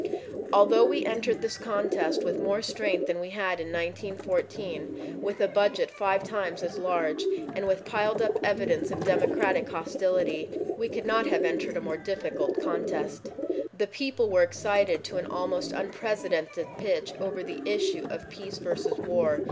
Although we entered this contest with more strength than we had had in 1914, with a budget five times as large and with piled up evidence of Democratic hostility, we could rot have entered a more difficult contest. The people were excited to an almost unprecedented pitch over the issue of peace versus war.